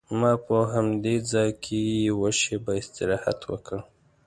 ما په همدې ځای کې یوه شېبه استراحت وکړ.